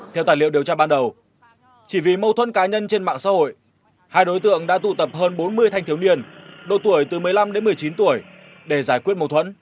theo tài liệu điều tra ban đầu chỉ vì mâu thuẫn cá nhân trên mạng xã hội hai đối tượng đã tụ tập hơn bốn mươi thanh thiếu niên độ tuổi từ một mươi năm đến một mươi chín tuổi để giải quyết mâu thuẫn